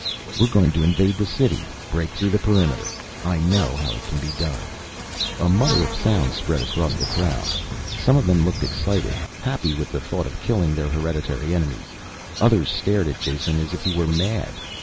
"We are going to invade the city, break through the perimeter. I know how it can be done ..." A mutter of sound spread across the crowd. Some of them looked excited, happy with the thought of killing their hereditary enemies. Others stared at Jason as if he were mad.